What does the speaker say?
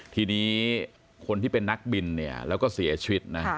ทีนี้คนที่เป็นนักบินเนี่ยแล้วก็เสียชีวิตนะ